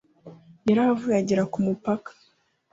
yarahavuye agera ku mupaka.